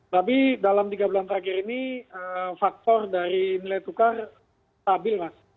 tapi dalam tiga bulan terakhir ini faktor dari nilai tukar stabil mas